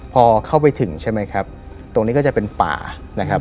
พอเข้าไปถึงใช่ไหมครับตรงนี้ก็จะเป็นป่านะครับ